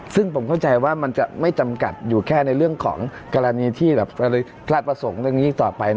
ซึ่งผมเข้าใจว่ามันจะไม่จำกัดอยู่แค่ในเรื่องของกรณีที่พลาดประสงค์เรื่องนี้ต่อไป